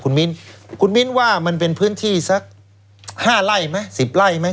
คุณมิ้นคุณมิ้นว่ามันเป็นพื้นที่สัก๕ไร่ไหม๑๐ไร่ไหม